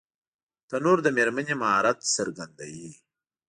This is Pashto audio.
تنور د مېرمنې مهارت څرګندوي